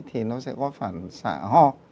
thì nó sẽ có phản xạ ho